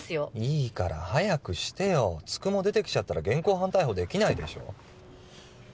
いいから早くしてよ九十九出てきちゃったら現行犯逮捕できないでしょ